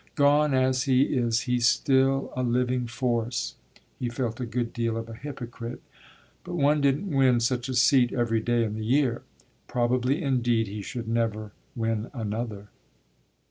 Gone as he is he's still a living force." He felt a good deal of a hypocrite, but one didn't win such a seat every day in the year. Probably indeed he should never win another.